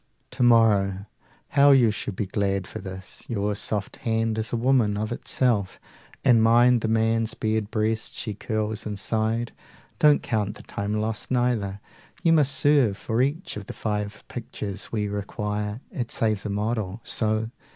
Tomorrow, how you shall be glad for this! 20 Your soft hand is a woman of itself, And mine the man's bared breast she curls inside. Don't count the time lost, neither; you must serve For each of the five pictures we require: It saves a model. So!